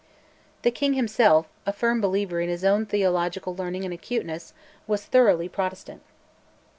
The king himself, a firm believer in his own theological learning and acuteness, was thoroughly Protestant.